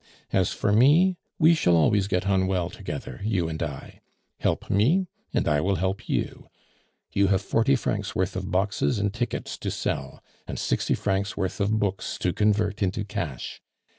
As for me, we shall always get on well together, you and I. Help me, and I will help you. You have forty francs' worth of boxes and tickets to sell, and sixty francs' worth of books to convert into cash.